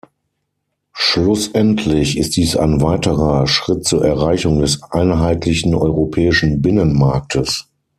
Schlussendlich ist dies ein weiterer Schritt zur Erreichung des einheitlichen europäischen Binnenmarktes.